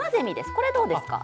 これはどうですか。